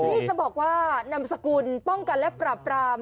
นี่จะบอกว่านำสกุลป้องกันและปราบราม